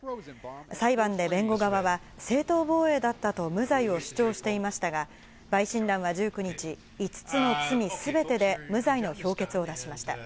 裁判で弁護側は、正当防衛だったと無罪を主張していましたが、陪審団は１９日、５つの罪すべてで無罪の評決を出しました。